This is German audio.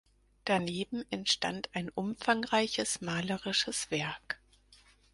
Daneben entstand ein umfangreiches malerisches Werk.